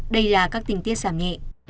đây là các tình tiết giảm nhẹ